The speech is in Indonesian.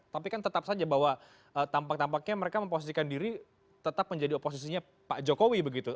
tapi kan tetap saja bahwa tampak tampaknya mereka memposisikan diri tetap menjadi oposisinya pak jokowi begitu